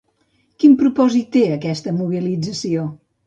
Quin propòsit té aquesta mobilització?